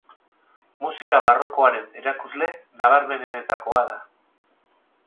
Musika barrokoaren erakusle nabarmenenetakoa da.